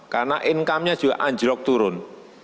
karena income nya juga anjlok turun